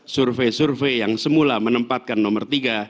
survei survei yang semula menempatkan nomor tiga